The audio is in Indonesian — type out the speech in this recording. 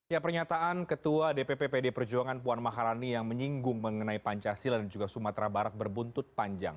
ya pernyataan ketua dpp pd perjuangan puan maharani yang menyinggung mengenai pancasila dan juga sumatera barat berbuntut panjang